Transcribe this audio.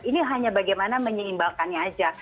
ini hanya bagaimana menyeimbalkannya aja